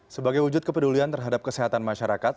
sebagai wujud kepedulian terhadap kesehatan masyarakat